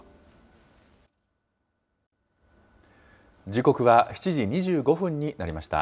時刻は７時２５分になりました。